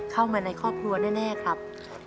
เข้ามาในครอบครัวแน่ครับ